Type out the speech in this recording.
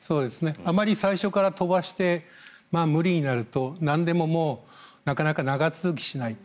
あまり最初から飛ばして無理にやるとなんでもなかなか長続きしないと。